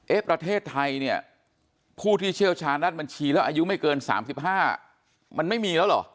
ประเทศไทยเนี่ยผู้ที่เชี่ยวชาญด้านบัญชีแล้วอายุไม่เกิน๓๕มันไม่มีแล้วเหรอ